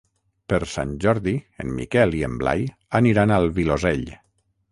Per Sant Jordi en Miquel i en Blai aniran al Vilosell.